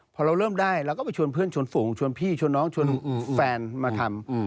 พอเราเริ่มได้เราก็ไปชวนเพื่อนชวนฝูงชวนพี่ชวนน้องชวนแฟนมาทำ